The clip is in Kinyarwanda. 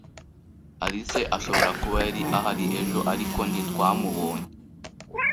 Alice ashobora kuba yari ahari ejo, ariko ntitwamubonye.